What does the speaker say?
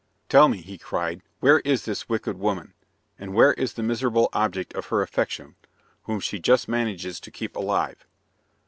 "Tell me," he cried, "where is this wicked woman, and where is the miserable object of her affection, whom she just manages to keep alive?"